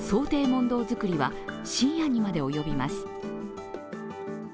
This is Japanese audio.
問答作りは深夜にまで及びます。